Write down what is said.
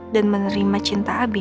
dan menerima cinta abi